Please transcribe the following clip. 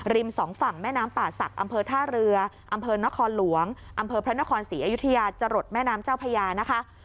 สองฝั่งแม่น้ำป่าศักดิ์อำเภอท่าเรืออำเภอนครหลวงอำเภอพระนครศรีอยุธยาจะหลดแม่น้ำเจ้าพญานะคะ